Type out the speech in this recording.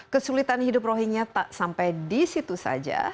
kesulitan hidup rohingya tak sampai di situ saja